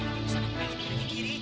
yang lagi kesana yang lagi kiri